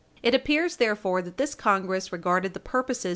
It appears, therefore, that this Congress regarded the purposes Page 60 U. S.